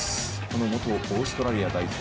元オーストラリア代表